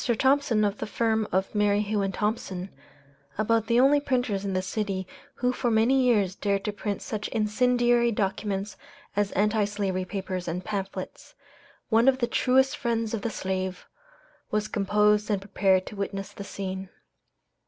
Thompson, of the firm of Merrihew & Thompson about the only printers in the city who for many years dared to print such incendiary documents as anti slavery papers and pamphlets one of the truest friends of the slave, was composed and prepared to witness the scene.